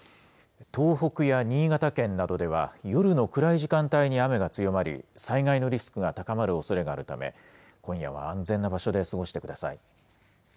東北や新潟県などでは、夜の暗い時間帯に雨が強まり、災害のリスクが高まるおそれがあるため、今夜は安全な場所で過ごしてください。